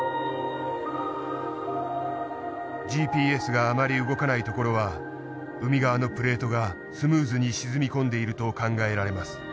ＧＰＳがあまり動かない所は海側のプレートがスムーズに沈み込んでいると考えられます。